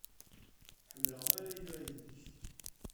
Ḥemmleɣ mi ara iliɣ yid-k.